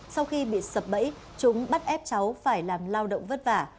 sau khi bị sập bẫy chúng bắt ép cháu phải làm lao động vất vả